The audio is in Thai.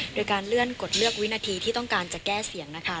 โดยการเลื่อนกฎเลือกวินาทีที่ต้องการจะแก้เสียงนะคะ